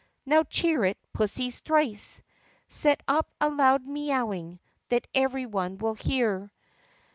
Now cheer it, pussies, thrice! Set up a loud mee owing That every one will hear